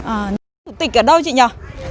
à nhưng mà xưởng chủ tịch ở đâu chị nhờ